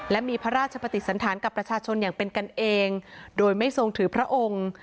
และมีพระราชปฏิสันธารกับประชาชนอย่างเป็นกันเองโดยไม่ทรงถือพระองค์